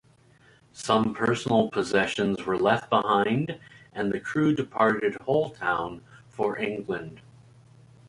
Some personal possessions were left behind and the crew departed Holetown for England.